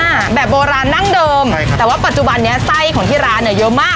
แบบโบราณดั้งเดิมใช่แต่ว่าปัจจุบันนี้ไส้ของที่ร้านเนี้ยเยอะมาก